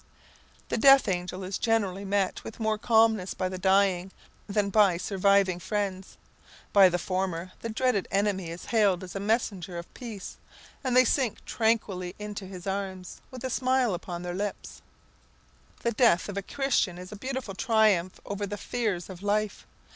The death angel is generally met with more calmness by the dying than by surviving friends. By the former, the dreaded enemy is hailed as a messenger of peace, and they sink tranquilly into his arms, with a smile upon their lips. The death of the Christian is a beautiful triumph over the fears of life.